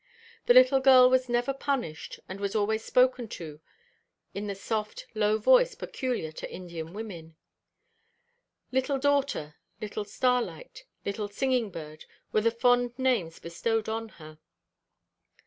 The little girl was never punished, and was always spoken to in the soft, low voice peculiar to Indian women. "Little daughter," "Little Starlight," "Little Singing bird," were the fond names bestowed on her.